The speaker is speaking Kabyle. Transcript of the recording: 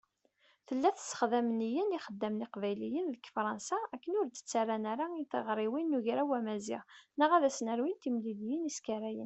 Tella tessexdam nniya n yixeddamen iqbayliyen deg Fṛansa akken ur d-ttarran ara i tiɣriwin n Ugraw Amaziɣ neɣ ad s-nerwin timliliyin iskarayen.